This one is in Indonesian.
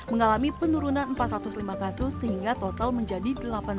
mengalami penurunan empat ratus lima kasus sehingga total menjadi delapan ratus